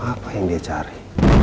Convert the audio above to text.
apa yang dia cari